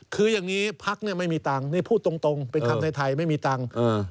คืออย่างนี้พักเนี่ยไม่มีตังค์นี่พูดตรงเป็นคำไทยไม่มีตังค์